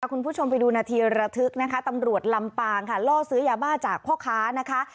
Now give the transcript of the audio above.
คุณผู้ชมไปดูนาทีระทึกนะคะตำรวจลำปางค่ะล่อซื้อยาบ้าจากพ่อค้านะคะ